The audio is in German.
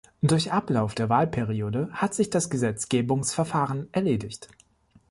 Durch Ablauf der Wahlperiode hat sich das Gesetzgebungsverfahren erledigt.